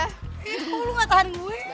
eh kok lo gak tahan gue